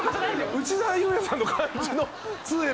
内田裕也さんの感じのつえ？